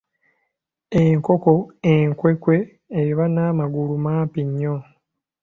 Enkoko enkwekwe eba n’amagulu mampi nnyo.